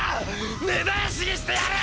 根絶やしにしてやる！！